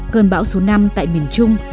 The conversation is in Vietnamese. cơn bão số năm tại miền trung